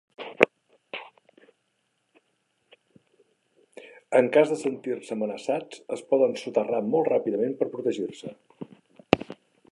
En cas de sentir-se amenaçats es poden soterrar molt ràpidament per protegir-se.